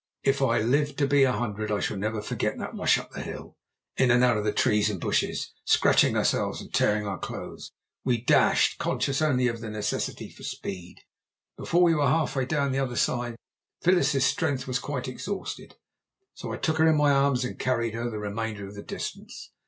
If I live to be a hundred I shall never forget that rush up the hill. In and out of trees and bushes, scratching ourselves and tearing our clothes, we dashed; conscious only of the necessity for speed. Before we were half way down the other side Phyllis's strength was quite exhausted, so I took her in my arms and carried her the remainder of the distance.